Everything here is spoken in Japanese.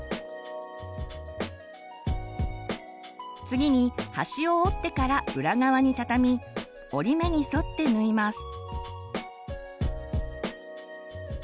次に端を折ってから裏側に畳み折り目に沿って縫います。